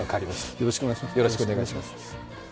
よろしくお願いします。